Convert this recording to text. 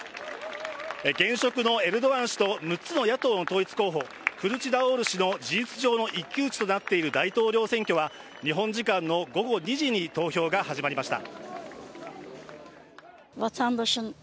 現職のエルドアン氏と６つの野党の統一候補、クルチダルオール氏の事実上の一騎打ちとなっている大統領選挙は、日本時間の午後２時に投票が始まりました。